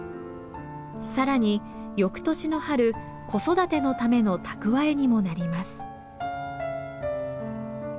更に翌年の春子育てのための蓄えにもなります。